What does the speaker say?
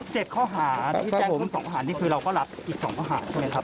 เจ็บข้อหาพี่แจ้งมัน๒ข้อหานี่คือเราก็รับอีก๒ข้อหาใช่ไหมครับ